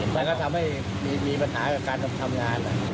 มันก็ทำให้มีปัญหากับการทำงาน